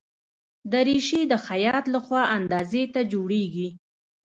دریشي د خیاط له خوا اندازې ته جوړیږي.